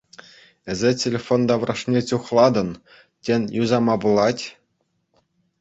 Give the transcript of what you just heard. Эсӗ телефон таврашне чухлатӑн, тен, юсама пулать?